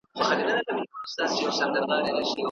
دا زه چې هر وخت و مسجد ته سم پر وخت ورځمه